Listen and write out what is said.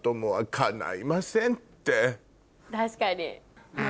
確かに。